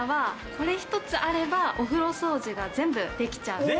これ一つあれば、お風呂掃除が全部できちゃう。